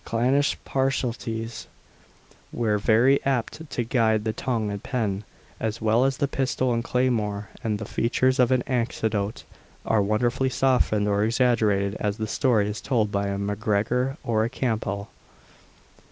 Clannish partialities were very apt to guide the tongue and pen, as well as the pistol and claymore, and the features of an anecdote are wonderfully softened or exaggerated as the story is told by a MacGregor or a Campbell.